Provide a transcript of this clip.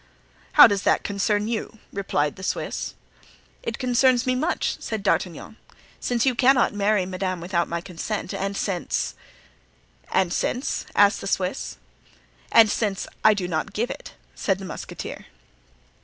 "How does that concern you?" replied the Swiss. "It concerns me much," said D'Artagnan, "since you cannot marry madame without my consent and since——" "And since?" asked the Swiss. "And since—I do not give it," said the musketeer.